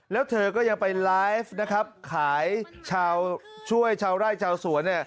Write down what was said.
แล้วเธอก็ยังไปไลฟ์ขายชาวช่วยชาวไร่ชาวสวน